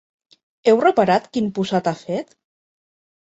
Heu reparat quin posat ha fet?